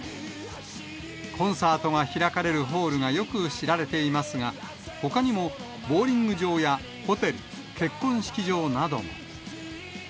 コンサートが開かれるホールがよく知られていますが、ほかにもボウリング場やホテル、結婚式場などが。